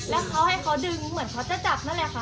แล้วเขาให้เขาดึงเหมือนเขาจะจับนั่นแหละค่ะ